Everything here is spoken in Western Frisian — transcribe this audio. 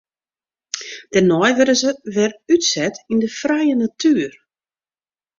Dêrnei wurde se wer útset yn de frije natuer.